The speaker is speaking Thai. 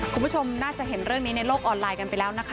คุณผู้ชมน่าจะเห็นเรื่องนี้ในโลกออนไลน์กันไปแล้วนะคะ